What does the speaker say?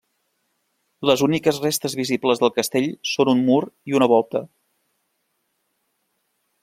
Les úniques restes visibles del castell són un mur i una volta.